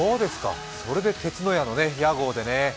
それで鐵ノ家の屋号でね。